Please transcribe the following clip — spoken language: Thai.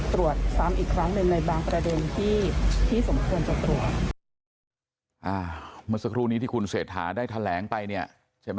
ตรวจสอบคุณสมบัติมันจะมีส่วนหนึ่งส่วนใหญ่เลยแหละ